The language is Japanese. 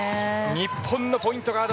日本のポイントガード